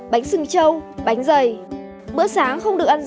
mình cũng sẽ ăn cùng các cô và các bạn ở đây